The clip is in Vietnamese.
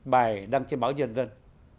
bài đăng trên báo nhân dân